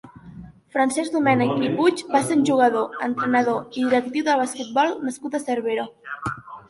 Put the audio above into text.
Francesc Domènech i Puig va ser un jugador, entrenador i directiu de basquetbol nascut a Cervera.